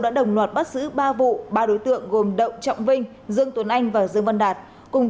đã đồng loạt bắt xử ba vụ ba đối tượng gồm động trọng vinh dương tuấn anh và dương văn đạt cùng